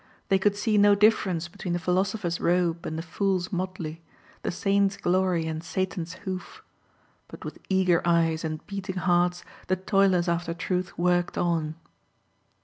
They could see no difference between the philosopher's robe and the fool's motley, the Saint's glory and Satan's hoof. But with eager eyes and beating hearts the toilers after Truth worked on.